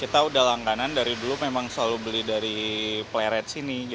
kita udah langganan dari dulu memang selalu beli dari pleret sini